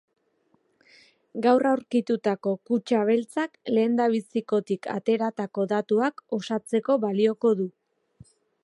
Gaur aurkitutako kutxa beltzak lehendabizikotik ateratako datuak osatzeko balioko du.